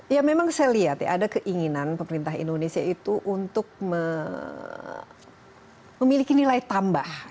ya memang saya lihat ya ada keinginan pemerintah indonesia itu untuk memiliki nilai tambah